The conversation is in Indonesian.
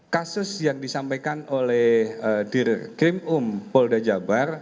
kasus yang disampaikan oleh dirkrim um polda jabar